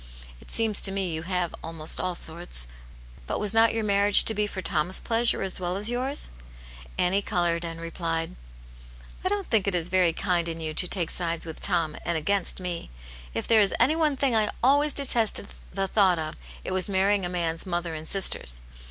" It seems to me you have almost all sorts. But was not your marriage to be for Tom's pleasure, as well as yours ?" Annie coloured, and replied :" I don't think it is very kind in you to take sides with Tom, and against me ! If there is any one thing I always detested the thought of, it was marrying a man's mother and sisters.